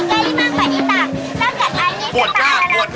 แล้วกับไอนิสตาระลังกว่าโรดเจน